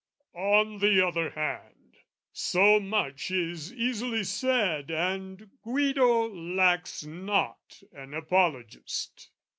On the other hand, so much is easily said, And Guido lacks not an apologist.